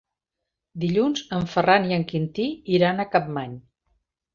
Dilluns en Ferran i en Quintí iran a Capmany.